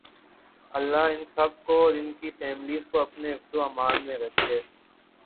لله ان سب کو اور انکی فیملیز کو اپنے حفظ و امان میں رکھے